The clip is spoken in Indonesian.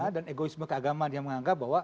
dan egoisme keagamaan yang menganggap